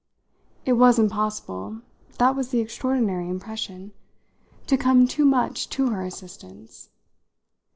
It was impossible that was the extraordinary impression to come too much to her assistance.